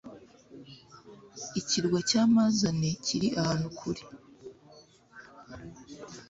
ikirwa cya Mazane kiri ahantu kure